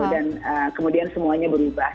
dan kemudian semuanya berubah